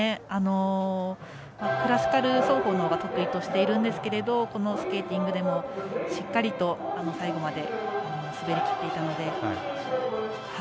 クラシカル走法のほうを得意としているんですけれどもこのスケーティングでもしっかりと最後まで滑りきっていたので。